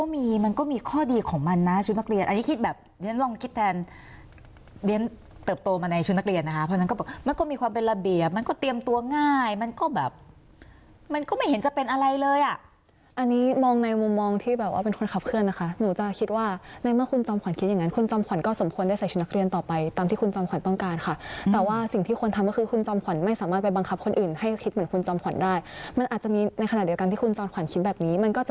มันก็ง่ายมันก็แบบมันก็ไม่เห็นจะเป็นอะไรเลยอ่ะอันนี้มองในมุมมองที่แบบว่าเป็นคนขับเคลื่อนนะคะหนูจะคิดว่าในเมื่อคุณจอมขวัญคิดอย่างนั้นคุณจอมขวัญก็สมควรได้ใส่ชุดนักเรียนต่อไปตามที่คุณจอมขวัญต้องการค่ะแต่ว่าสิ่งที่ควรทำก็คือคุณจอมขวัญไม่สามารถไปบังคับคนอื่นให้คิดเหมือนคุณจ